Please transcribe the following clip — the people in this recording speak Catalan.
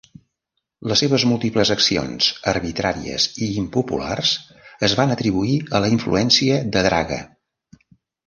Les seves múltiples accions arbitràries i impopulars es van atribuir a la influència de Draga.